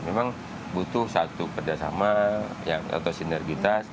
memang butuh satu kerjasama atau sinergitas